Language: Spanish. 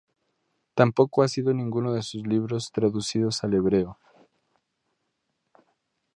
Tampoco ha sido ninguno de sus libros traducido al hebreo.